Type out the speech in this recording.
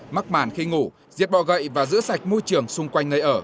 mắc màn khi ngủ diệt bọ gậy và giữ sạch môi trường xung quanh nơi ở